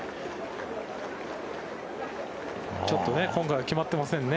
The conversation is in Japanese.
ちょっと今回は決まってませんね。